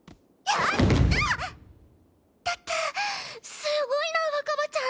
痛たっすごいな若葉ちゃん。